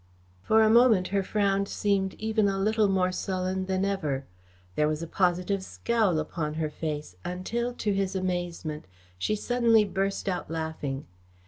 For a moment her frown seemed even a little more sullen than ever. There was a positive scowl upon her face, until to his amazement, she suddenly burst out laughing.